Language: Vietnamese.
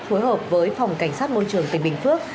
phối hợp với phòng cảnh sát môi trường tỉnh bình phước